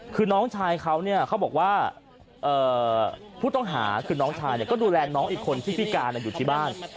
คือน้องชายเขาเนี่ยเขาบอกว่าผู้ต้องหาคือน้องชายก็ดูแลน้องอีกคนที่พิการอยู่ที่บ้าน